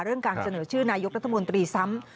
เรื่องการเสนอชื่อนายกรัฐมนตรีซ้ำ